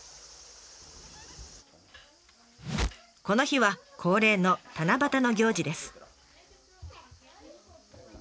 この日は恒例の七夕の行事です。